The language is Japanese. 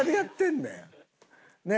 ねえ。